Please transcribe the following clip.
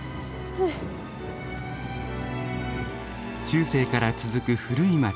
中世から続く古い街